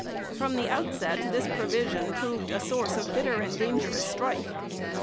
From the outset this provision proved a source of bitter and dangerous strife.